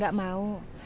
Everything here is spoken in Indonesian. tapi paman pun sih